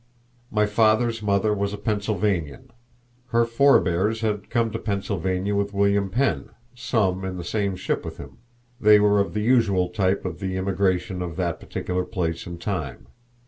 My father's mother was a Pennsylvanian. Her forebears had come to Pennsylvania with William Penn, some in the same ship with him; they were of the usual type of the immigration of that particular place and time.